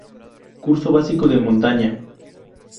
Curso Básico de Montaña.